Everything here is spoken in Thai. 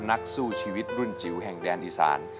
นักสู้ชีวิตรุ่นจิ๋วแห่งแดนอีสาน